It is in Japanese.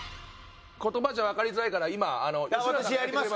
言葉じゃわかりづらいから今吉村さんがやってくれます。